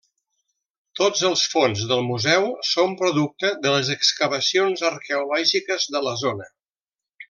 Tots els fons del museu són producte de les excavacions arqueològiques de la zona.